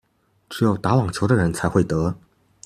只有打網球的人才會得